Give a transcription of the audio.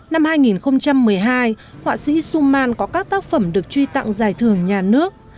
năm hai nghìn một mươi hai họa sĩ suman có các tác phẩm được truy tặng giải thưởng nhà nước